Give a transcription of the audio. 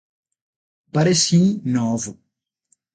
Pareci Novo